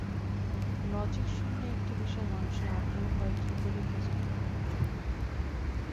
লজিকশূন্য একটি বিষয়ে মানুষের আগ্রহ হয় কি করে কে জানে!